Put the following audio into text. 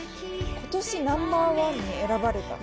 ことしナンバーワンに選ばれた。